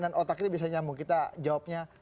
dan otak ini bisa nyambung kita jawabnya